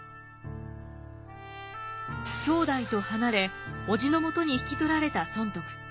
兄弟と離れ伯父のもとに引き取られた尊徳。